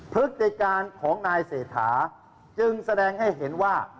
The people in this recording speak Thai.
พฤติการของนายเศรษฐาจึงแสดงให้เห็นว่า